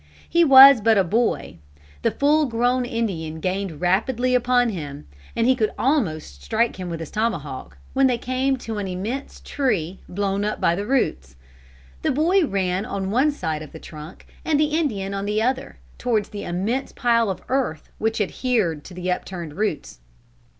He was but a boy, the full grown Indian gained rapidly upon him, he could almost strike him with his tomahawk, when they came to an immense tree, blown up by the roots. The boy ran on one side of the trunk and the Indian on the other, towards the immense pile of earth which adhered to the upturned roots.